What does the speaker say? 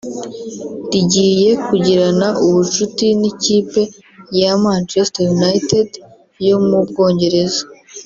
rigiye kugirana ubucuti n’ikipe ya Manchester United yo mu Bwongereza